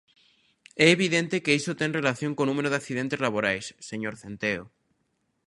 É evidente que iso ten relación co número de accidentes laborais, señor Centeo.